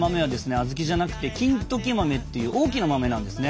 小豆じゃなくて金時豆っていう大きな豆なんですね。